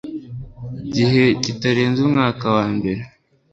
gihe kitarenze umwaka wa mbere